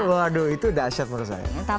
waduh itu dahsyat menurut saya